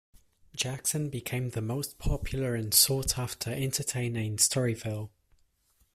Jackson became the most popular and sought after entertainer in Storyville.